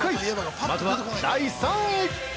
まずは第３位！